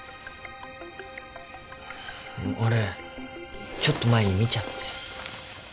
俺ちょっと前に見ちゃって。